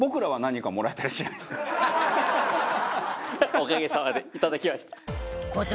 おかげさまでいただきました。